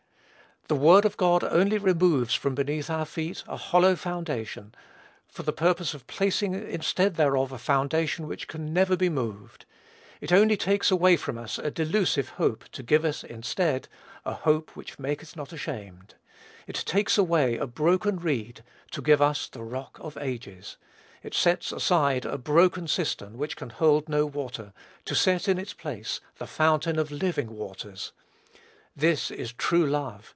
The word of God only removes from beneath our feet a hollow foundation, for the purpose of placing instead thereof a foundation which never can be moved. It only takes away from us a delusive hope, to give us, instead, "a hope which maketh not ashamed." It takes away "a broken reed," to give us the "Rock of ages." It sets aside "a broken cistern, which can hold no water," to set in its place "the Fountain of living waters." This is true love.